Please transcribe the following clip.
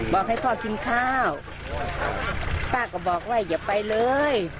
บอกให้พ่อกินข้าวป้าก็บอกว่าอย่าไปเลย